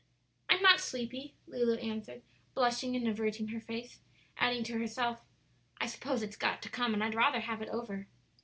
"I'm not sleepy," Lulu answered, blushing and averting her face, adding to herself, "I suppose it's got to come, and I'd rather have it over."